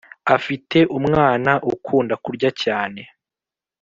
afite umwana ukunda kurya cyane